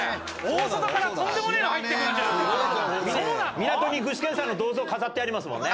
港に具志堅さんの銅像飾ってありますもんね。